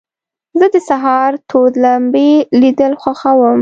زه د سهار تود لمبې لیدل خوښوم.